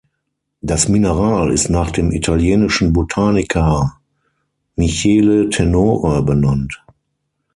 Das Mineral ist nach dem italienischen Botaniker Michele Tenore benannt.